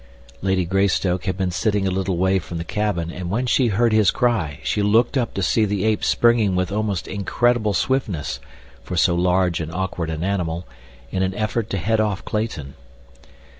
Lady Greystoke had been sitting a little way from the cabin, and when she heard his cry she looked up to see the ape springing with almost incredible swiftness, for so large and awkward an animal, in an effort to head off Clayton.